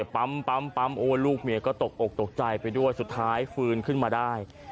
ปั๊มโอ้ลูกเมียก็ตกอกตกใจไปด้วยสุดท้ายฟื้นขึ้นมาได้